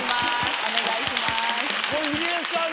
お願いします。